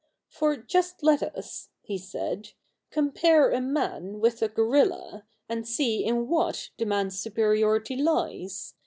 'For just let us,' he said, 'compare a man with a gorilla, and see in what the man's superiority lies.